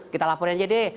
kita laporin aja deh